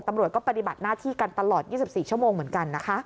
ตำรวจก็ปฏิบัติหน้าที่กันตลอด๒๔ชั่วโมงเหมือนกันนะคะ